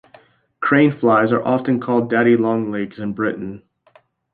Craneflies are often called daddy-long-legs in Britain.